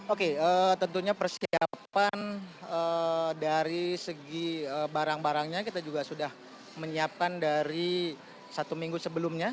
oke tentunya persiapan dari segi barang barangnya kita juga sudah menyiapkan dari satu minggu sebelumnya